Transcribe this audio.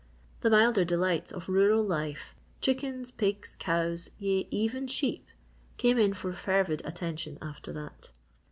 The milder delights of rural life chickens, pigs, cows, yea, even sheep, came in for fervid attention after that.